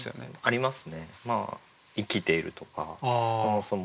ありますね。